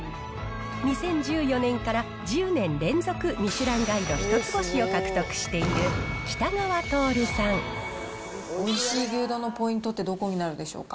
２０１４年から１０年連続ミシュランガイド１つ星を獲得しているおいしい牛丼のポイントってどこになるでしょうか。